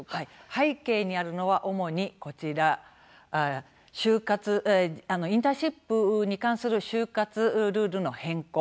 背景にあるのは主にこちらインターンシップに関する就活ルールの変更。